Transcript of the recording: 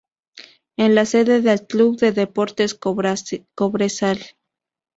Es la sede del Club de Deportes Cobresal.